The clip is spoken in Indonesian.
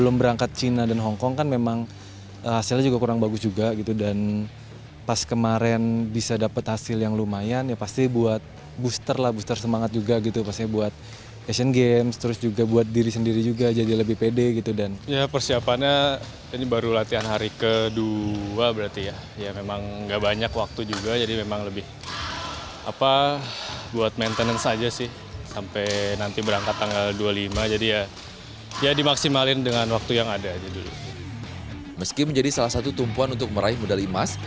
meski menjadi salah satu tumpuan untuk meraih modal emas